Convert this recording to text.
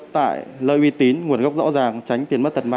tại lợi uy tín nguồn gốc rõ ràng tránh tiến mất tật ma